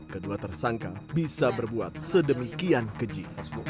kedua tersangka bisa berbuat sedemikian keji